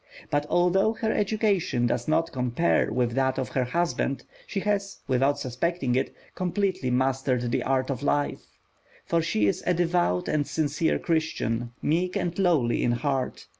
But although her education does not compare with that of her husband, she has, without suspecting it, completely mastered the art of life; for she is a devout and sincere Christian, meek and lowly in heart.